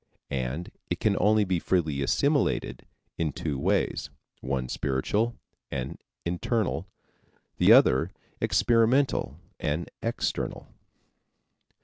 And it can only be freely assimilated in two ways: one spiritual and internal, the other experimental and external.